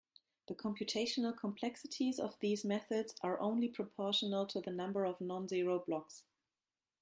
The computational complexities of these methods are only proportional to the number of non-zero blocks.